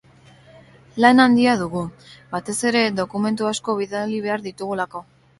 Lan handia dugu, batez ere dokumentu asko bidali behar ditugulako.